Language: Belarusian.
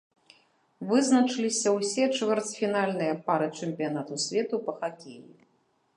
Вызначыліся ўсе чвэрцьфінальныя пары чэмпіянату свету па хакеі.